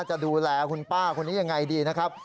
จะดูแลคุณป้าคนนี้ยังไงดีนะครับ